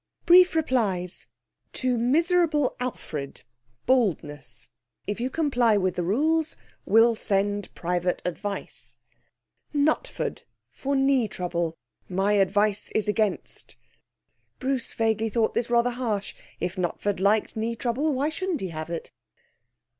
'Brief replies: 'To Miserable Alfred (Baldness). If you comply with the rules, will send private advice. 'Knutford (For knee trouble). My advice is against.' (Bruce vaguely thought this rather harsh. If Knutford liked knee trouble, why shouldn't he have it?)